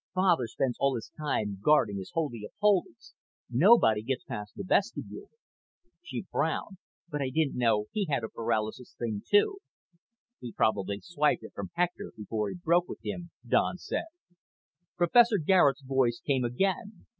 Father spends all his spare time guarding his holy of holies. Nobody gets past the vestibule." She frowned. "But I didn't know he had a paralysis thing, too." "He probably swiped it from Hector before he broke with him," Don said. Professor Garet's voice came again.